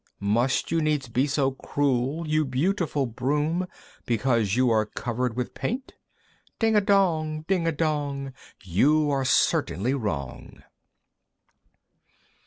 "Must you needs be so cruel, you beautiful Broom, "Because you are covered with paint? "Ding a dong! Ding a dong! "You are certainly wrong!"